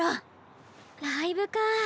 ライブか。